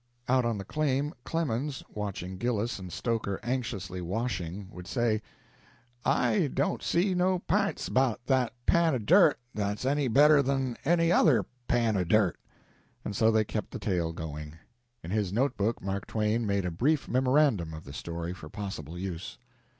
Out on the claim, Clemens, watching Gillis and Stoker anxiously washing, would say, "I don't see no pints about that pan o' dirt that's any better than any other pan o' dirt." And so they kept the tale going. In his note book Mark Twain made a brief memorandum of the story for possible use.